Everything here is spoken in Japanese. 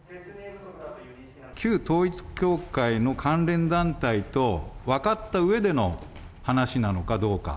旧統一教会の関連団体と分かったうえでの話なのかどうか。